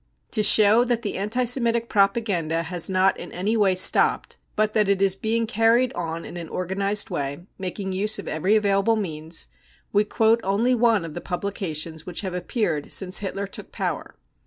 To show that the anti ' Semitic propaganda has not in any way stopped, but that it is being carried on in an organised way, making use I of every available means, we quote only one of the publi cations which have appeared since Hitler took power.